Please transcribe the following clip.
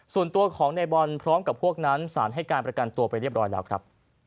ส่วนตัวของในบอลพร้อมกับพวกนั้นสารให้การประกันตัวไปเรียบร้อยแล้วครับ